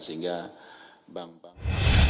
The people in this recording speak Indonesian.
sehingga bank indonesia